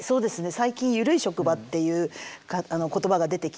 最近「ゆるい職場」っていう言葉が出てきていて。